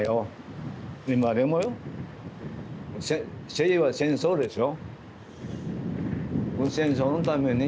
せいは戦争でしょ。